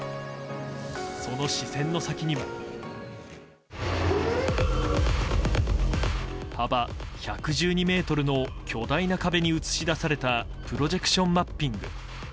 その視線の先には幅１１２ｍの巨大な壁に映し出されたプロジェクションマッピング。